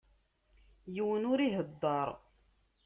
Yiwen ur ihedder.